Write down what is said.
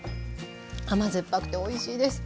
甘酸っぱくておいしいです。